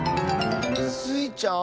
⁉スイちゃん？